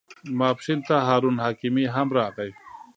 ماپښین ته هارون حکیمي هم راغی.